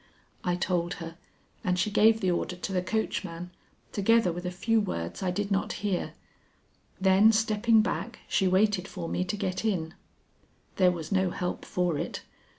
I told her, and she gave the order to the coachman, together with a few words I did not hear; then stepping back she waited for me to get in. There was no help for it.